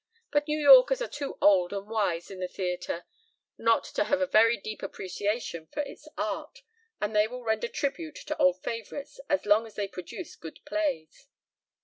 But New Yorkers are too old and wise in the theatre not to have a very deep appreciation of its art, and they will render tribute to old favorites as long as they produce good plays."